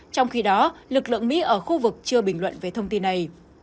trong khi đó lực lượng mỹ ở khu vực chưa bình luận về thông tin này